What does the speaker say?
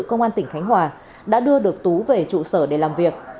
công an tỉnh khánh hòa đã đưa được tú về trụ sở để làm việc